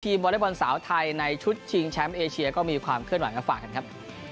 วอเล็กบอลสาวไทยในชุดชิงแชมป์เอเชียก็มีความเคลื่อนไหวมาฝากกันครับ